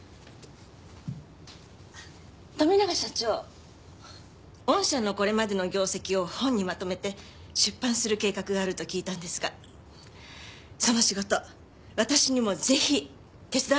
富永社長御社のこれまでの業績を本にまとめて出版する計画があると聞いたんですがその仕事私にもぜひ手伝わせて頂けないでしょうか？